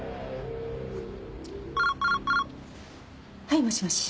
はいもしもし。